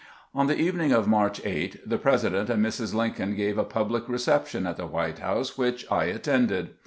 On the evening of March 8 the President and Mrs. Lincoln gave a public reception at the White House, which I attended.